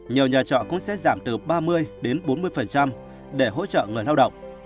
nhiều nhà trọ cũng sẽ giảm từ ba mươi đến bốn mươi để hỗ trợ người lao động